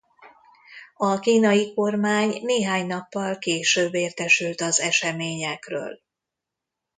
A kínai kormány néhány nappal később értesült az eseményekről.